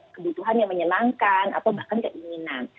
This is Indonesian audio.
kebutuhan yang menyenangkan atau bahkan keinginan